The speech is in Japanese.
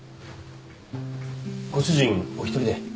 ご主人お一人で。